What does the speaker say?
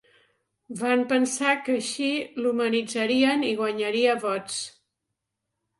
Van pensar que així l'humanitzarien i guanyaria vots.